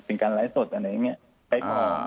สิ่งการไลก์สดอะไรอย่างเงี้ยแปลกฟอร์มครับ